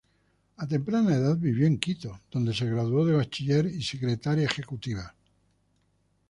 A temprana edad vivió en Quito donde se graduó de Bachiller y Secretaria Ejecutiva.